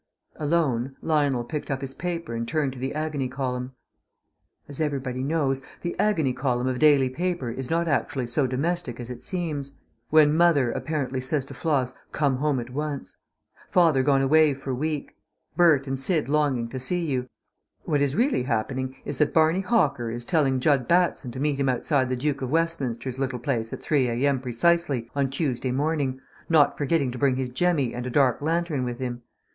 Alone, Lionel picked up his paper and turned to the Agony Column. As everybody knows, the Agony Column of a daily paper is not actually so domestic as it seems. When "Mother" apparently says to "Floss," "Come home at once. Father gone away for week. Bert and Sid longing to see you," what is really happening is that Barney Hoker is telling Jud Batson to meet him outside the Duke of Westminster's little place at 3 a.m. precisely on Tuesday morning, not forgetting to bring his jemmy and a dark lantern with him.